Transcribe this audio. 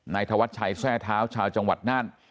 นายทวัดชัยแส่เท้าชาวจังหวัดนัน